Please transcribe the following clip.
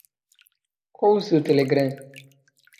Qual o seu Telegram?